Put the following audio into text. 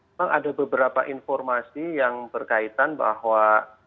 memang ada beberapa informasi yang berkaitan bahwa